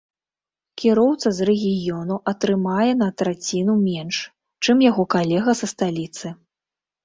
Кіроўца з рэгіёну атрымае на траціну менш, чым яго калега са сталіцы.